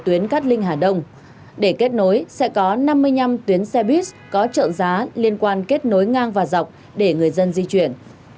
tuyến xe bus có trợ giá liên quan kết nối ngang và dọc để người dân di chuyển